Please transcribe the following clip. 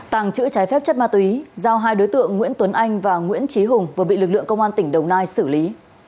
tàng trữ trái phép chất ma túy giao hai đối tượng nguyễn tuấn anh và nguyễn trí hùng vừa bị lực lượng công an tỉnh đồng nai xử lý